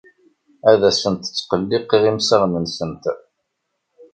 Ur asent-ttqelliqeɣ imsaɣen-nsent.